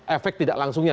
efek tidak langsungnya